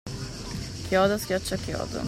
Chiodo schiaccia chiodo.